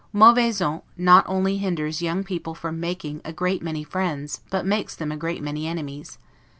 'Mauvaise honte' not only hinders young people from making, a great many friends, but makes them a great many enemies.